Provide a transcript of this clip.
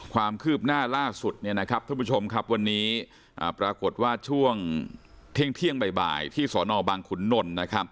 ความคืบหน้าล่าสุดวันนี้ปรากฏว่าช่วงเที่ยงบ่ายที่สนบังขุนนล